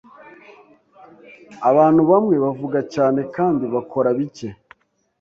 Abantu bamwe bavuga cyane kandi bakora bike.